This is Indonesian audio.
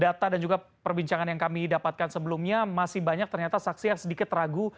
data dan juga perbincangan yang kami dapatkan sebelumnya masih banyak ternyata saksi yang sedikit ragu